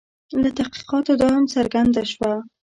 له تحقیقاتو دا هم څرګنده شوه.